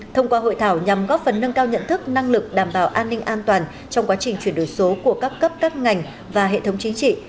thông qua hội thảo nhằm góp phần nâng cao nhận thức năng lực đảm bảo an ninh an toàn trong quá trình chuyển đổi số của các cấp các ngành và hệ thống chính trị